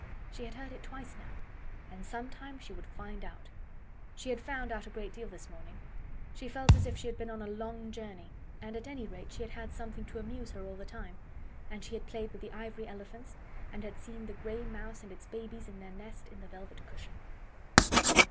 She had heard it twice now, and sometime she would find out. She had found out a great deal this morning. She felt as if she had been on a long journey, and at any rate she had had something to amuse her all the time, and she had played with the ivory elephants and had seen the gray mouse and its babies in their nest in the velvet cushion.